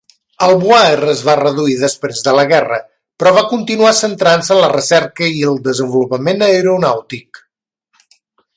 El BuAer es va reduir després de la guerra, però va continuar centrant-se en la recerca i el desenvolupament aeronàutic.